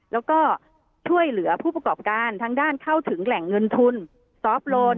แล้วก็ช่วยเหลือผู้ประกอบการทางด้านเข้าถึงแหล่งเงินทุนซอฟต์โลน